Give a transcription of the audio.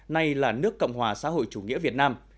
nay là nước cộng hòa xã hội chủ nghĩa việt nam